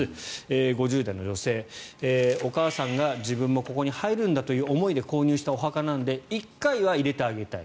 ５０代の女性お母さんが自分もここに入るんだという思いで購入したお墓なので１回は入れてあげたい。